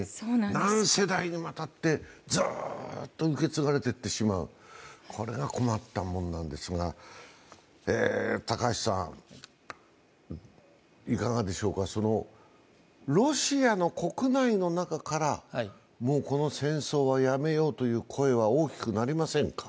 何世代にわたってずっと受け継がれていってしまう、これが困ったもんなんですが高橋さん、ロシアの国内の中からもうこの戦争はやめようという声は大きくなりませんか？